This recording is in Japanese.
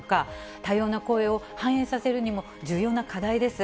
多様な声を反映させるにも重要な課題です。